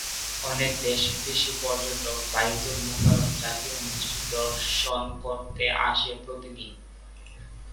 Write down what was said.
অনেক দেশি-বিদেশি পর্যটক বায়তুল মোকাররম জাতীয় মসজিদ দর্শন করতে আসে প্রতিদিন।